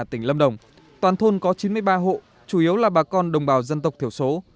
tỉnh lâm đồng toàn thôn có chín mươi ba hộ chủ yếu là bà con đồng bào dân tộc thiểu số